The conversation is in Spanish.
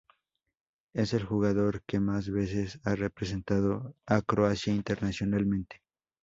Es el jugador que más veces ha representado a Croacia internacionalmente.